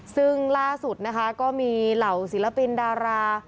ซึ่งล่าสุดนะคะก็มีเหล่าศิลปินดารา